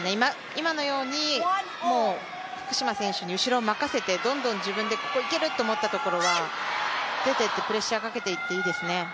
今のように福島選手に後ろを任せて、どんどん自分でここ行ける！って部分は出ていってプレッシャーかけていっていいですね。